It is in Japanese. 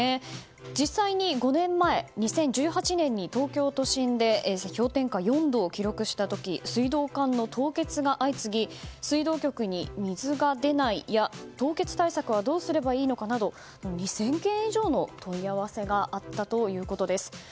実際、５年前２０１８年に東京都心で氷点下４度を記録した時水道管の凍結が相次ぎ水道局に水が出ない、や凍結対策はどうすればいいのかなど２０００件以上の問い合わせがあったということです。